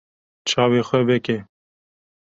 Çavê xwe veke.